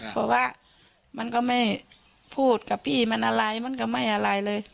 เพราะว่ามันก็ไม่พูดกับพี่มันอะไรมันก็ไม่อะไรเลย